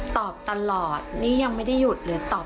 ตอบตลอดนี่ยังไม่ได้หยุด